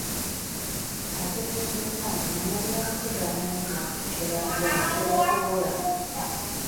Abategeezeza nti munnabyabufuzi atamanyi bantu kye baagala atera okubula.